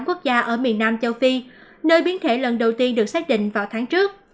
quốc gia ở miền nam châu phi nơi biến thể lần đầu tiên được xác định vào tháng trước